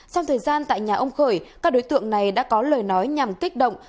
trong thời gian tại nhà ông khởi các đối tượng này đã có lời nói nhằm kích động